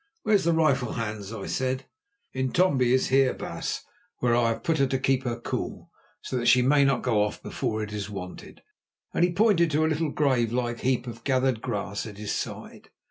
"Where's the rifle, Hans?" I said. "Intombi is here, baas, where I have put her to keep her cool, so that she may not go off before it is wanted," and he pointed to a little grave like heap of gathered grass at his side.